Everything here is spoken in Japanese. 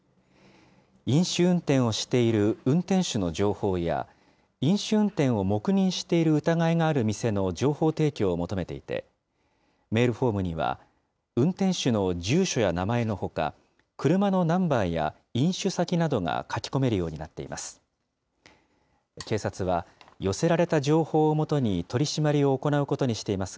飲酒運転をしている運転手の情報や、飲酒運転を黙認している疑いがある店の情報提供を求めていて、メールフォームには、運転手の住所や名前のほか、車のナンバーや飲酒先などが書き込めるようになっています。